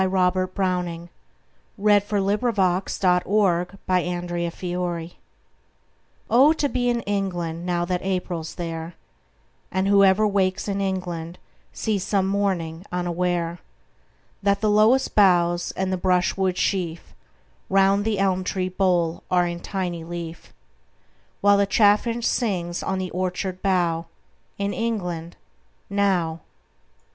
Robert Browning Home Thoughts, From Abroad OH, to be in England Now that April's there, And whoever wakes in England Sees, some morning, unaware, That the lowest boughs and the brush wood sheaf Round the elm tree bole are in tiny leaf, While the chaffinch sings on the orchard bough In England now!